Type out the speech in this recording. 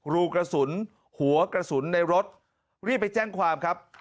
รูกระสุนหัวกระสุนในรถรีบไปแจ้งความครับ